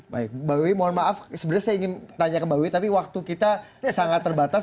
baik mbak wiwi mohon maaf sebenarnya saya ingin tanya ke mbak wiwi tapi waktu kita sangat terbatas